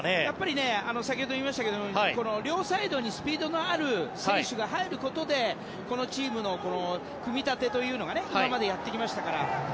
やっぱり先ほども言いましたけれども両サイドにスピードのある選手が入ることでこのチームの組み立てというのが今までやってきましたから。